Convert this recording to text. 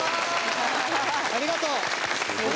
ありがとう！